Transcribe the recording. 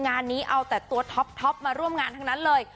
งานนี้เอาแต่ตัวท็อปมาร่วมงานทั้งนั้นเลย